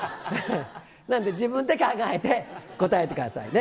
なんで、自分で考えて答えてくださいね。